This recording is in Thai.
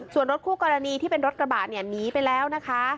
ส่วนรถคู่กรณีที่เป็นรถกระบะเนี่ยหนีไปแล้วนะคะ